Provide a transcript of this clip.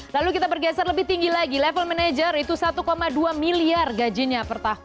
lalu kita bergeser lebih tinggi lagi level manager itu satu dua miliar gajinya